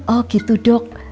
oh gitu dok